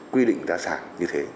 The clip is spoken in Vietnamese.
quy định giá sàn như thế